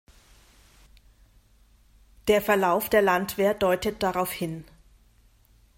Der Verlauf der Landwehr deutet darauf hin.